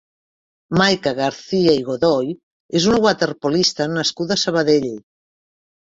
Maica García i Godoy és una waterpolista nascuda a Sabadell.